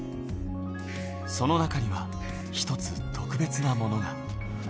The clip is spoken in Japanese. その中には、１つ、特別なものが。